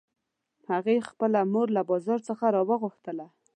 هغې خپله مور له بازار څخه راوغوښتله